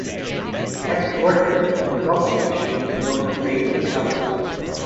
"Extraordinary" was also featured in the film "Raising Helen".